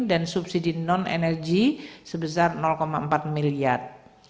dan subsidi non energi sebesar rp tiga triliun